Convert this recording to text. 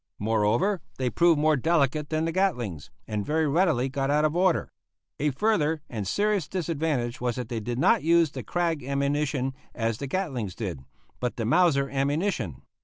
Moreover, they proved more delicate than the Gatlings, and very readily got out of order. A further and serious disadvantage was that they did not use the Krag ammunition, as the Gatlings did, but the Mauser ammunition.